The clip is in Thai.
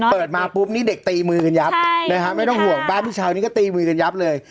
เปิดมาปุ๊บนี่เด็กตีมือกันยับนะฮะไม่ต้องห่วงบ้านพี่เช้านี้ก็ตีมือกันยับเลย